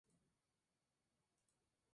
No llegó a contraer matrimonio ni tuvo hijos.